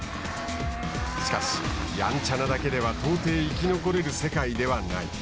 しかし、やんちゃなだけでは到底生き残れる世界ではない。